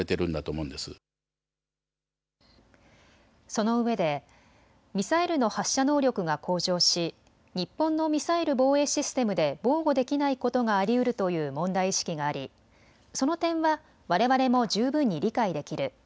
そのうえでミサイルの発射能力が向上し日本のミサイル防衛システムで防護できないことがありうるという問題意識があり、その点はわれわれも十分に理解できる。